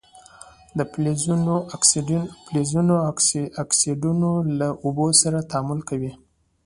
د فلزونو اکسایدونه له اوبو سره تعامل کوي.